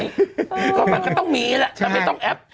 มันก็มันต้องมีและ